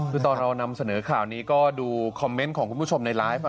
คือตอนเรานำเสนอข่าวนี้ก็ดูคอมเมนต์ของคุณผู้ชมในไลฟ์